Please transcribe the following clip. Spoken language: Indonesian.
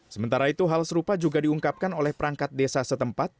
sementara itu hal serupa juga diungkapkan oleh perangkat desa setempat